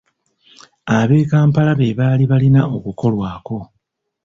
Ab'e Kampala be baali balina okukolwako.